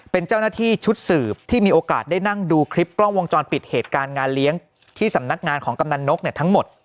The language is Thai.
เป็นเจ้าหน้าที่ชุดสืบที่มีโอกาสได้นั่งดูคลิปกล้องวงจรปิดเหตุการณ์งานเลี้ยงที่สำนักงานของกำนันนกทั้งหมด